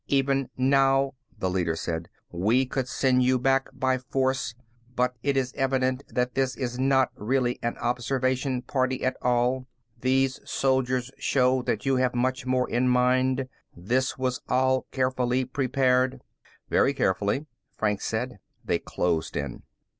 "Even now," the leader said, "we could send you back by force. But it is evident that this is not really an observation party at all. These soldiers show that you have much more in mind; this was all carefully prepared." "Very carefully," Franks said. They closed in.